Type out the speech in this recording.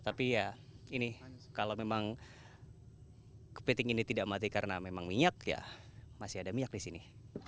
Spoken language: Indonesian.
tapi ya ini kalau memang kepiting ini tidak mati karena memang minyak ya masih ada minyak di sini